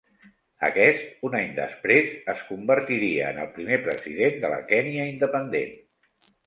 Aquest, un any després, es convertiria en el primer president de la Kenya independent.